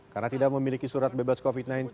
karena tidak memiliki surat bebas covid sembilan belas